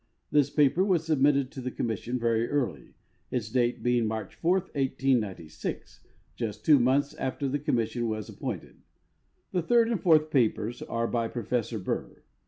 This paper was submitted to the commission very early, its date being March 4, 1896, just two months after the commission was appointed. The third and fourth papers are by Professor Burr.